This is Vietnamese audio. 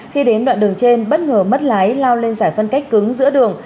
khi đến đoạn đường trên bất ngờ mất lái lao lên giải phân cách cứng giữa đường